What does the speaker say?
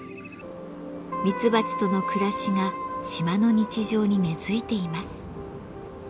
ミツバチとの暮らしが島の日常に根づいています。